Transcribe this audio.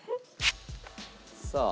さあ。